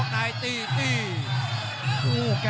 กรรมการเตือนทั้งคู่ครับ๖๖กิโลกรัม